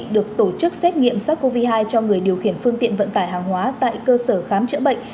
được tổ chức xét nghiệm sars cov hai cho người điều khiển phương tiện vận tải hàng hóa tại cơ sở khám chữa bệnh